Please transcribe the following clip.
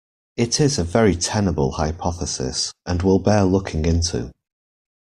It is a very tenable hypothesis, and will bear looking into.